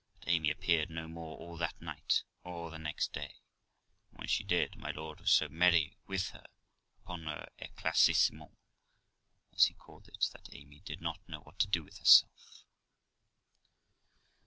But Amy appeared no more all that night or the next day, and when she did, my lord was so merry with her upon his e"claircissement, as he called it, that Amy did not know what to do with herself.